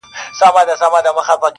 • حسن خو زر نه دى چي څوك يې پـټ كــړي.